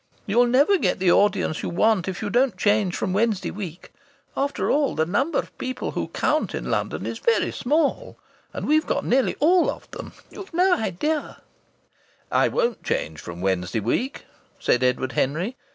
You'll never get the audience you want if you don't change from Wednesday week. After all, the number of people who count in London is very small. And we've got nearly all of them. You've no idea " "I won't change from Wednesday week," said Edward Henry.